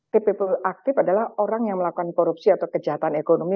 tipe aktif adalah orang yang melakukan korupsi atau kejahatan ekonomi